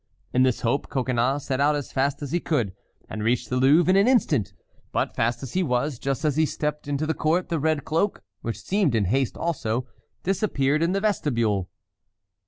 In this hope Coconnas set out as fast as he could, and reached the Louvre in an instant, but, fast as he was, just as he stepped into the court the red cloak, which seemed in haste also, disappeared in the vestibule.